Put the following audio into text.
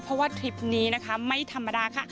เพราะว่าทริปนี้นะคะไม่ธรรมดาค่ะ